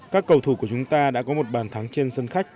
các cầu thủ của chúng ta đã có một bàn thắng trên sân khách